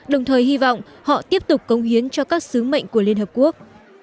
đồng thời hy vọng họ tiếp tục công hiến cho các sứ mệnh của liên hợp quốc